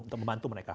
untuk membantu mereka